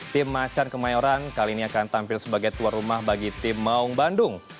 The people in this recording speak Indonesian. tim macan kemayoran kali ini akan tampil sebagai tuan rumah bagi tim maung bandung